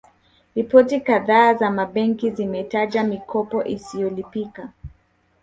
Ripoti kadhaa za mabenki zimetaja mikopo isiyolipika